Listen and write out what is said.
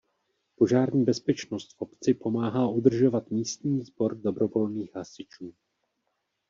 Požární bezpečnost v obci pomáhá udržovat místní sbor dobrovolných hasičů.